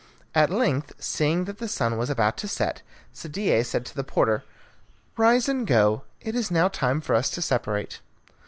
At length, seeing that the sun was about to set, Sadia said to the porter, "Rise and go; it is now time for us to separate."